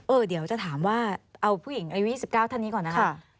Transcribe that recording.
เออเดี๋ยวผมจะถามว่าเอาผู้หญิงอายุ๑๙ธันย์นี้ก่อนนะครับ